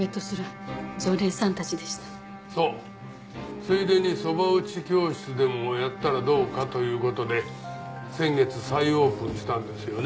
ついでにそば打ち教室でもやったらどうかという事で先月再オープンしたんですよね？